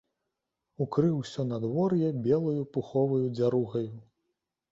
Укрыў усё надвор'е белаю, пуховаю дзяругаю.